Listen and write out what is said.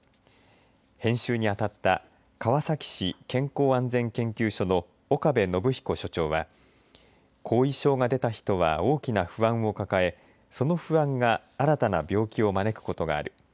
編集にあたった川崎市健康安全研究所の岡部信彦所長は後遺症が出た人は大きな不安を抱えその不安が新たな病気を招くことがある。